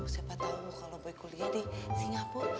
siapa tau kalo boy kuliah di singapura